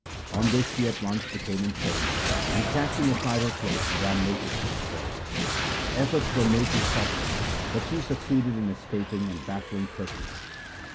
1 On this she at once became insane, and casting aside her clothes ran naked into the forest. Efforts were made to stop her, but she succeeded in escaping and baffling pursuit.